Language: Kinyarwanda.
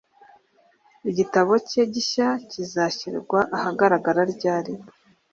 Igitabo cye gishya kizashyirwa ahagaragara ryari